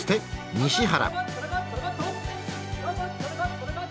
西原。